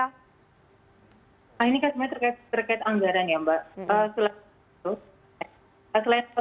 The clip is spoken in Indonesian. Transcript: nah ini kan sebenarnya terkait anggaran ya mbak